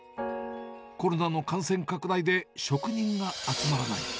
コロナの感染拡大で職人が集まらない。